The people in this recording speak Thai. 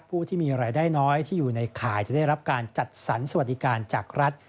ผู้ที่มีรายได้น้อยที่อยู่ในข่ายจะได้รับการจัดสรรสวัสดิการจากรัฐ